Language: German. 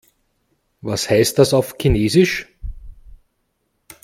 Was heißt das auf Chinesisch?